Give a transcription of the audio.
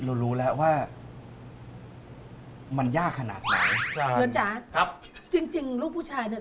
เรารู้แล้วว่ามันยากขนาดไหนใช่จริงจริงลูกผู้ชายเนี้ย